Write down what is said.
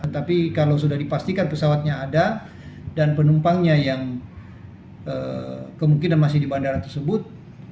tapi kalau sudah dipastikan pesawatnya ada dan penumpangnya yang kemungkinan masih di bandara tersebut